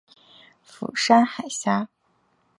釜山海峡。